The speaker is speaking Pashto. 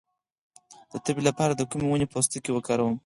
د تبې لپاره د کومې ونې پوستکی وکاروم؟